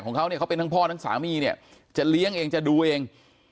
ของเขาเนี่ยเขาเป็นทั้งพ่อทั้งสามีเนี่ยจะเลี้ยงเองจะดูเอง